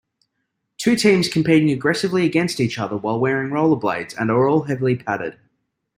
Two teams competing aggressively against each other while wearing rollerblades and are all heavily padded.